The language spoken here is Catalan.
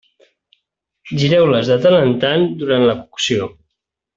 Gireu-les de tant en tant durant la cocció.